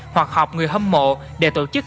hoặc họp người hâm mộ để tổ chức